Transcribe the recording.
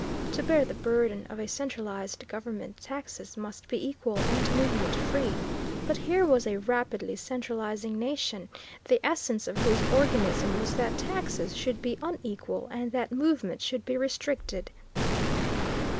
To bear the burden of a centralized government taxes must be equal and movement free, but here was a rapidly centralizing nation, the essence of whose organism was that taxes should be unequal and that movement should be restricted.